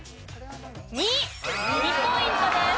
２ポイントです。